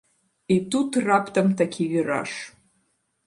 І тут раптам такі віраж.